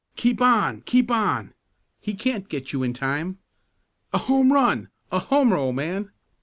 "Keep on! Keep on!" "He can't get you in time!" "A home run! A homer, old man!"